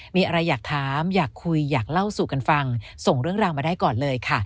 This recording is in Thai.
มีอะไรอยากถามอยากคุยอยากเล่าสู่กันฟังส่งเรื่องราวมาได้ก่อนเลยค่ะ